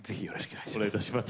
お願いいたします。